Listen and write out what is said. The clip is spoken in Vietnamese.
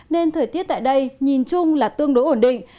nên thời tiết tại đây nhìn chung là tương đối ổn định